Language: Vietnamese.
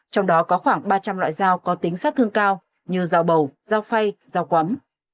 trong đó có khoảng ba trăm linh loại dao có tính sát thương cao như dao bầu dao phay dao quắm